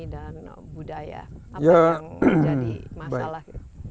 dan budaya apa yang menjadi masalah